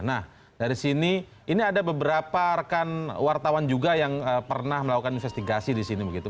nah dari sini ini ada beberapa rekan wartawan juga yang pernah melakukan investigasi di sini begitu